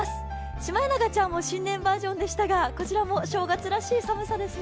シマエナガちゃんは新年バージョンでしたが、こちらもお正月らしい寒さですね。